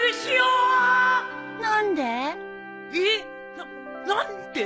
なっ何で？